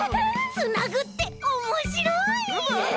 つなぐっておもしろい！